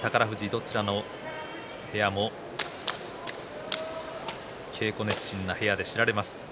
どちらの部屋も稽古熱心な部屋で知られます。